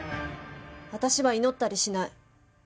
私は祈ったりしない。